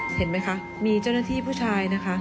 เห็นไหมคะมีเจ้าหน้าที่ผู้ชายนะคะ